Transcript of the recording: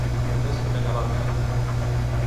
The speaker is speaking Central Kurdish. دەستم لە گەڵاکان دا.